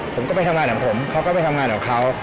ผมก็ไปทำงานของผมเขาก็ไปทำงานกับเขา